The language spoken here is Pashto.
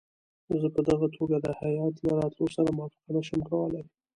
زه په دغه توګه د هیات له راتلو سره موافقه نه شم کولای.